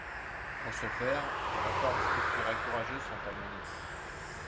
Pour ce faire, des réformes structurelles courageuses sont à mener.